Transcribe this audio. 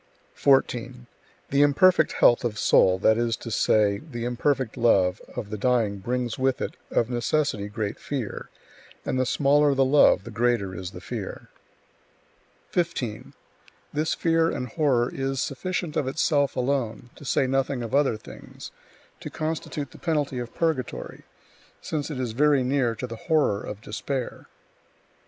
14. The imperfect health [of soul], that is to say, the imperfect love, of the dying brings with it, of necessity, great fear; and the smaller the love, the greater is the fear. 15. This fear and horror is sufficient of itself alone (to say nothing of other things) to constitute the penalty of purgatory, since it is very near to the horror of despair.